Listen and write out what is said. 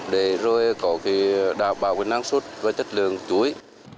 để rồi có cái đảm bảo năng suất và chất lượng chuối